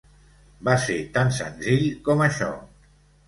Va ser tan senzill com això!